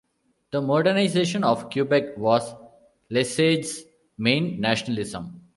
The modernization of Quebec was Lesage's main nationalism.